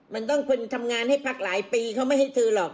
มันต้องคนทำงานให้พักหลายปีเขาไม่ให้เธอหรอก